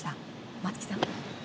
松木さん。